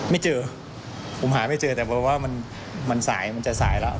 ไม่เจอผมหาไม่เจอแต่เพราะว่ามันสายมันจะสายแล้ว